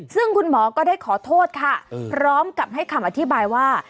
ซึ่งคุณหมอก็ได้ขอโทษค่ะพร้อมกับให้คำอธิบายว่า